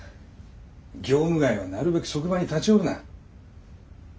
業務外はなるべく職場に立ち寄るな。